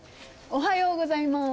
おはようございます。